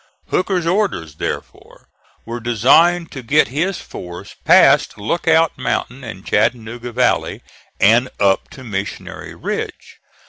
Hooker's orders, therefore, were designed to get his force past Lookout Mountain and Chattanooga Valley, and up to Missionary Ridge.